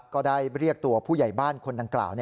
ก็ได้เรียกตัวผู้ใหญ่บ้านคนดังกล่าว